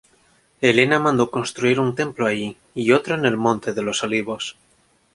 Helena mandó construir un templo allí y otro en el monte de los Olivos.